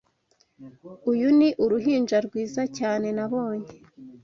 Uyu ni uruhinja rwiza cyane nabonye.